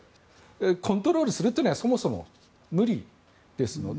コントロールするというのはそもそも無理ですので。